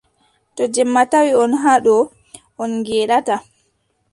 To jemma tawi on haa ɗo, on ngeeɗataa.